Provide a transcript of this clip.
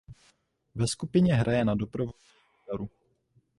Ve skupině hraje na doprovodnou kytaru.